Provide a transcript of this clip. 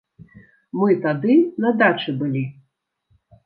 Мы тады на дачы былі.